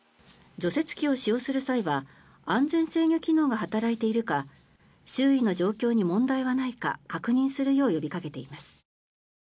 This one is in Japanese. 除雪機を使用する際は安全制御機能が働いているか周囲の状況に問題はないか確認するよう呼びかけています。